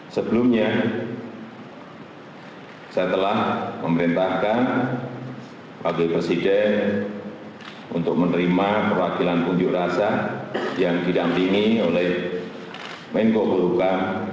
sebelumnya saya telah memerintahkan wakil presiden untuk menerima perwakilan unjuk rasa yang didampingi oleh menko polhukam